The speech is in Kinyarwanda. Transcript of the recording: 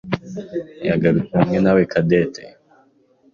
yagarutse hamwe nawe Cadette.